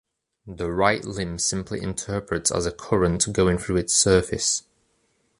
The right limb simply interprets as a current going through its surface.